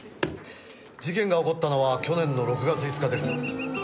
事件が起こったのは去年の６月５日です。